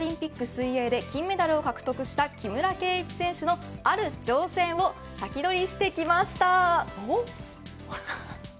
水泳で金メダルを獲得した木村敬一選手のある挑戦をサキドリしてきました。